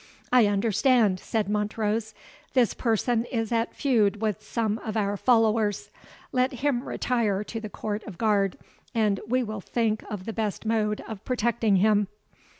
"I understand," said Montrose: "This person is at feud with some of our followers. Let him retire to the court of guard, and we will think of the best mode of protecting him."